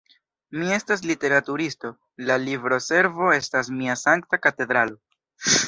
Mi estas literaturisto, la libroservo estas mia sankta katedralo.